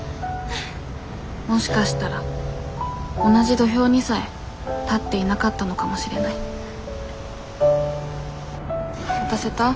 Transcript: もしかしたら同じ土俵にさえ立っていなかったのかもしれない渡せた？